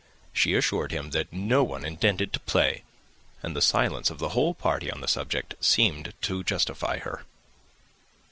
She assured him that no one intended to play, and the silence of the whole party on the subject seemed to justify her.